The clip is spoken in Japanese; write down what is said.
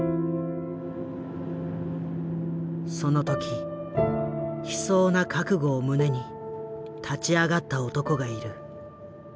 その時悲壮な覚悟を胸に立ち上がった男がいる。